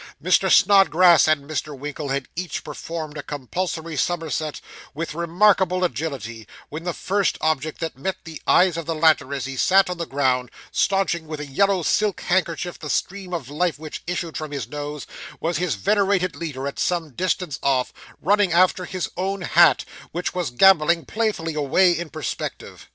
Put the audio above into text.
Mr. Snodgrass and Mr. Winkle had each performed a compulsory somerset with remarkable agility, when the first object that met the eyes of the latter as he sat on the ground, staunching with a yellow silk handkerchief the stream of life which issued from his nose, was his venerated leader at some distance off, running after his own hat, which was gambolling playfully away in perspective.